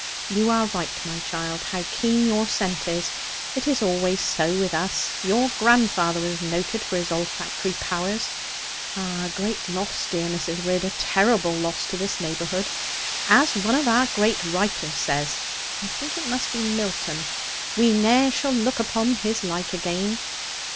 'You are right, my child. How keen your scent is! It is always so with us. Your grandfather was noted for his olfactory powers. Ah, a great loss, dear Mrs. Ridd, a terrible loss to this neighbourhood! As one of our great writers says I think it must be Milton "We ne'er shall look upon his like again."'